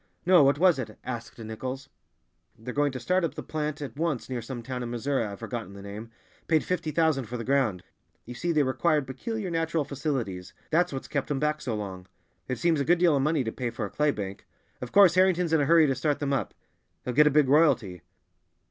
"No, what was it?" asked Nichols. "They're going to start up the plant at once near some town in Missouri, I've forgotten the name—paid fifty thousand for the ground. You see, they required peculiar natural facilities; that's what's kept them back so long. It seems a good deal of money to pay for a clay bank. Of course, Harrington's in a hurry to start them up; he'll get a big royalty."